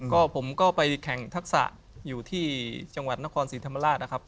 ก็ผมก็ไปแข่งทักษะอยู่ที่จังหวัดนครศรีธรรมราชนะครับ